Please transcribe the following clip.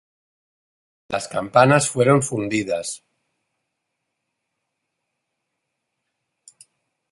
Las campanas fueron fundidas.